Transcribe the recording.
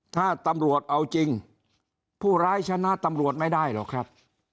ถ้าตำรวจเอาจริงผู้ร้ายชนะตำรวจไม่ได้หรอกครับ